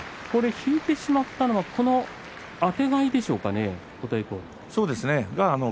引いてしまったのはあてがいでしょうかね、琴恵光は。